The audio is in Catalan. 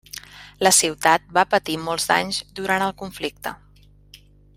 La ciutat va patir molts danys durant el conflicte.